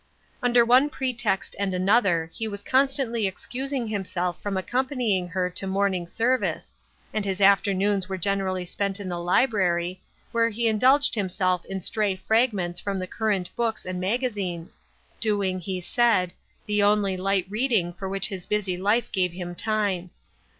Under one pretext and another he was con stantly excusing himself from accompanying her to morning service, and his afternoons were gen erally spent in the library, where he indulged him self in stray fragments from the current books and magazines, doing, he said, the only light reading for which his busy life gave him time.